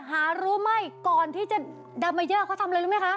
หารู้ไม่ก่อนที่จะดัมมาเยอะเขาทำอะไรรู้ไหมคะ